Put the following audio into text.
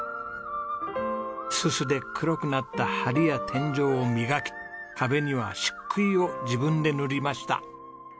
すすで黒くなった梁や天井を磨き壁には漆喰を自分で塗りました。